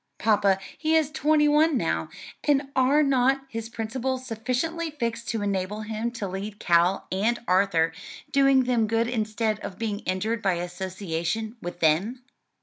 Papa, he is twenty one now, and are not his principles sufficiently fixed to enable him to lead Cal and Arthur, doing them good instead of being injured by association with them?"